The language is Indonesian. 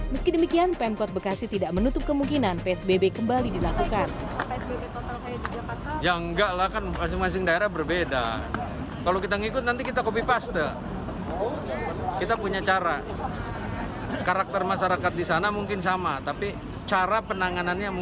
meski demikian pemkot bekasi tidak menutup kemungkinan psbb kembali dilakukan